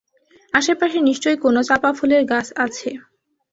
আশেপাশে নিশ্চয়ই কোনো চাঁপা ফুলের গাছ আছে।